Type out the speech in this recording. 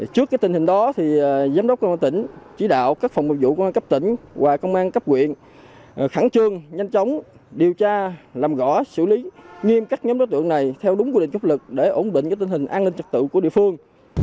trước tình hình đó giám đốc công an tỉnh chỉ đạo các phòng mục vụ của công an cấp tỉnh và công an cấp quyền khẳng trương nhanh chóng điều tra làm gõ xử lý nghiêm cắt nhóm đối tượng này theo đúng quy định cấp lực để ổn định tình hình an ninh trật tự của địa phương